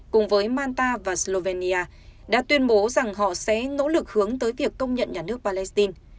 cùng với manta và slovenia đã tuyên bố rằng họ sẽ nỗ lực hướng tới việc công nhận nhà nước palestine